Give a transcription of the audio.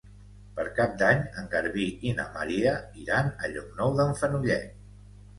Per Cap d'Any en Garbí i na Maria iran a Llocnou d'en Fenollet.